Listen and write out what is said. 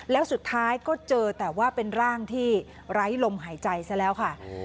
แล้วสุดท้ายก็เจอแต่ว่าเป็นร่างที่ไร้ลมหายใจซะแล้วค่ะ